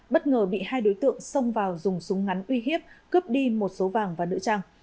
bất ngờ bị hai đối tượng xông vào dùng súng ngắn uy hiếp cướp đi một số vàng và nữ trang